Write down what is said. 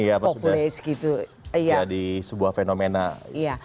jadi ini memang ini ya pak sudah jadi sebuah fenomena global